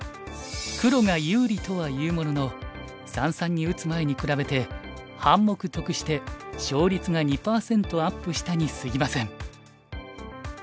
黒が有利とはいうものの三々に打つ前に比べて半目得して勝率が２％アップしたにすぎません。